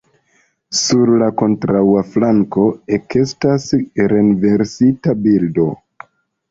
Sur la kontraŭa flanko ekestas renversita bildo.